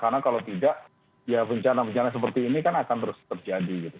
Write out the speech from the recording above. karena kalau tidak ya bencana bencana seperti ini akan terus terjadi